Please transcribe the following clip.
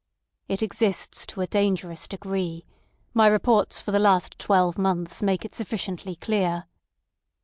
"It exists to a dangerous degree. My reports for the last twelve months make it sufficiently clear."